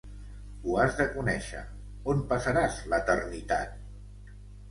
Ho has de conèixer, on passaràs l'eternitat?